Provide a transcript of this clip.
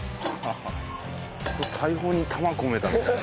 大砲に弾込めたみたいな。